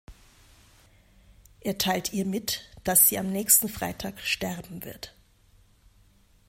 Er teilt ihr mit, dass sie am nächsten Freitag sterben wird.